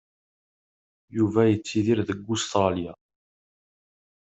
Yuba yettidir deg Ustṛalya.